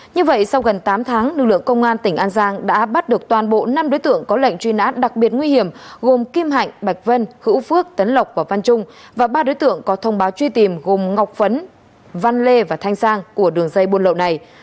như vậy sau gần tám tháng lực lượng công an tỉnh an giang đã bắt được toàn bộ năm đối tượng có lệnh truy nã đặc biệt nguy hiểm gồm kim hạnh bạch vân hữu phước tấn lộc và văn trung và ba đối tượng có thông báo truy tìm gồm ngọc phấn văn lê và thanh sang của đường dây buôn lậu này